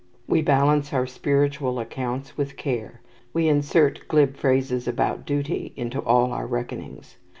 We balance our spiritual accounts with care. We insert glib phrases about duty into all our reckonings.